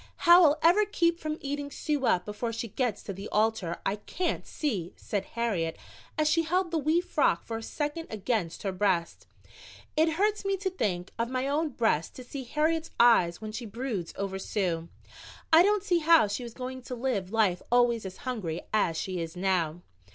"How I'll ever keep from eating Sue up before she gets to the altar, I can't see," said Harriet, as she held the wee frock for a second against her breast. It hurts me to the quick of my own breast to see Harriet's eyes when she broods over Sue. I don't see how she is going to live life always as hungry as she is now.